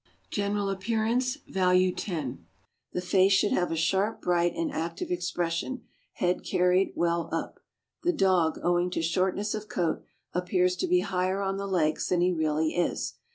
General appearance (value 10). — The face should have a sharp, bright, and active expression; head carried well up. The dog, owing to shortness of coat, appears to be higher on the legs than he really is.